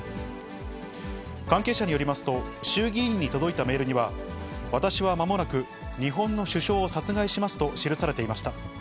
関係者によりますと、衆議院に届いたメールには、私は間もなく日本の首相を殺害しますと記されていました。